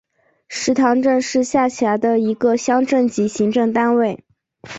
石塘镇是下辖的一个乡镇级行政单位。